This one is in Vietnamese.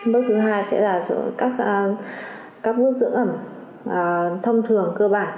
bước thứ hai sẽ là các bước giữ ẩm thông thường cơ bản